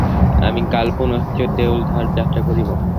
আমি কাল পুনশ্চ দেউলধার যাত্রা করিব।